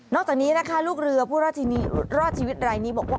จากนี้นะคะลูกเรือผู้ราชชีวิตรายนี้บอกว่า